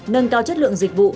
nâng cao chất lượng dịch vụ